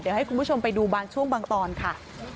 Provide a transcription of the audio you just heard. เดี๋ยวให้คุณผู้ชมไปดูบางช่วงบางตอนค่ะ